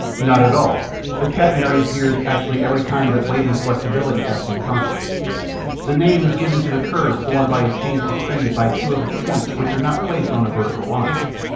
Not at all: the catenary appears actually every time that weight and flexibility act in concert. The name is given to the curve formed by a chain suspended by two of its points which are not placed on a vertical line.